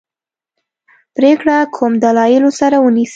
پرېکړه کوم دلایلو سره ونیسي.